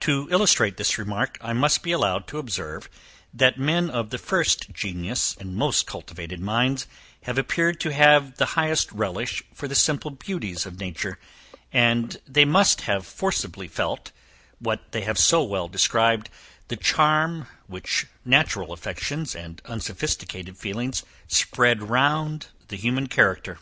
To illustrate this remark I must be allowed to observe, that men of the first genius, and most cultivated minds, have appeared to have the highest relish for the simple beauties of nature; and they must have forcibly felt, what they have so well described, the charm, which natural affections, and unsophisticated feelings spread round the human character.